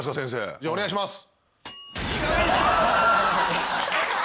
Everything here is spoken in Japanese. じゃあお願いします。